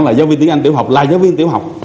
là giáo viên tiếng anh tiểu học là giáo viên tiểu học